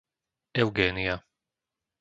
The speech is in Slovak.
Eugénia